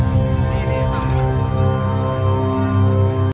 สโลแมคริปราบาล